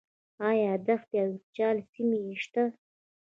آیا دښتې او یخچالي سیمې نشته؟